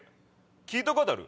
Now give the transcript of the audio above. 聞いたことある？